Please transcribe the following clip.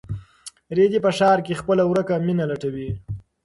رېدی په ښار کې خپله ورکه مینه لټوي.